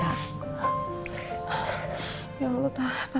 ya allah papa